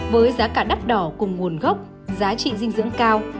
với giá cả đắt đỏ cùng nguồn gốc giá trị dinh dưỡng cao